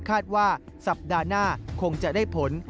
คาดว่าสัปดาห์หน้าคงจะได้ผล